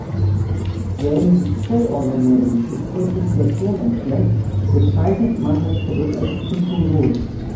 Werden die Zellorganellen durch Zentrifugation entfernt, bezeichnet man das Produkt als Cytosol.